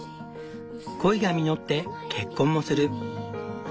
恋が実って結婚もする。